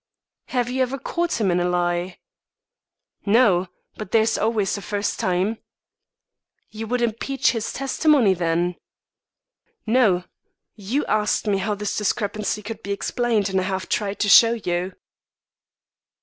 "Have you ever caught him in a lie?" "No; but there's always a first time." "You would impeach his testimony then?" "No. You asked me how this discrepancy could be explained, and I have tried to show you."